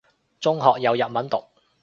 中學有日文讀